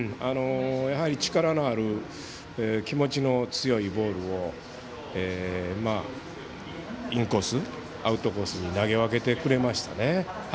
力のある気持ちの強いボールをインコース、アウトコースに投げ分けてくれましたね。